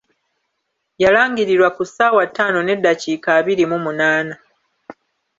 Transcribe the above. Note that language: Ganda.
Yalangirirwa ku ssaawa ttaano n'eddakiika abiri mu munaana.